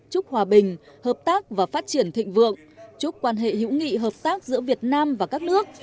chúc hòa bình hợp tác và phát triển thịnh vượng chúc quan hệ hữu nghị hợp tác giữa việt nam và các nước